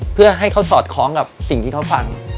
เพื่อให้เขาสอดคล้องกับสิ่งที่เขาฟัง